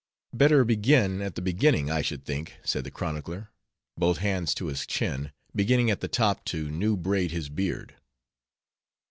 "Better begin at the beginning, I should think," said the chronicler, both hands to his chin, beginning at the top to new braid his beard.